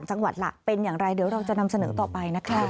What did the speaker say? จังหวัดล่ะเป็นอย่างไรเดี๋ยวเราจะนำเสนอต่อไปนะคะ